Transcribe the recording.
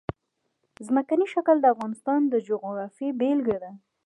ځمکنی شکل د افغانستان د جغرافیې بېلګه ده.